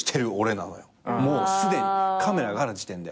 もうすでにカメラがある時点で。